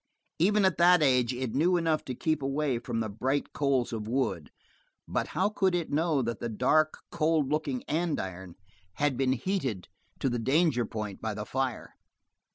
Even at that age it knew enough to keep away from the bright coals of wood, but how could it know that the dark, cold looking andirons had been heated to the danger point by the fire?